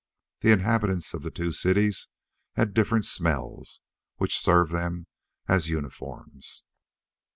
The inhabitants of the two cities had different smells, which served them as uniforms.